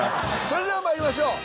それでは参りましょう！